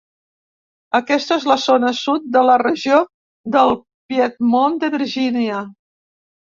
Aquesta és la zona sud de la regió del Piedmont de Virginia.